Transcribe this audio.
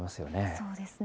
そうですね。